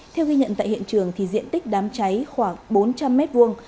theo ghi nhận tại hiện trường diện tích đám cháy khoảng bốn trăm linh m hai